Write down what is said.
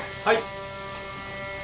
はい。